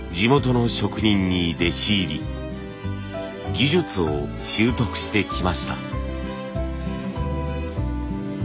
技術を習得してきました。